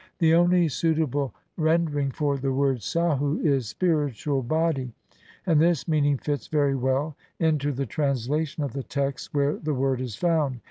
The only suitable ren dering for the word sahu is "spiritual body", and this meaning fits very well into the translation of the texts where the word is found.